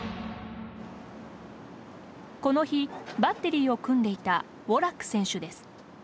この日バッテリーを組んでいたウォラック選手です。